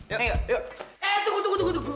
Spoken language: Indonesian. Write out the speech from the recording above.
eh tunggu tunggu tunggu